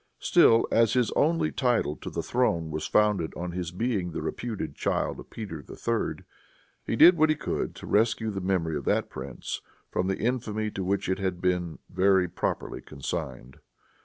Still, as his only title to the throne was founded on his being the reputed child of Peter III., he did what he could to rescue the memory of that prince from the infamy to which it had been very properly consigned.